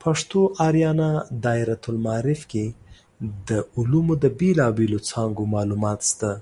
پښتو آریانا دایرة المعارف کې د علومو د بیلابیلو څانګو معلومات شته.